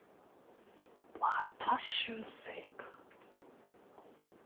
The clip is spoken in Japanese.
また修正か。